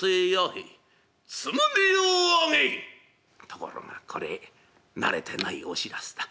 ところがこれ慣れてないお白州だ。